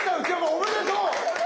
おめでとう！